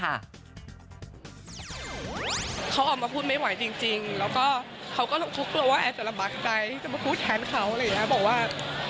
เขาออกมาพูดไม่ไหวจริงจริงแล้วก็เขาก็ต้องคลุกตัวว่าแอดจะระบัดใจจะมาพูดแทนเขาอะไรอย่างนี้บอกว่า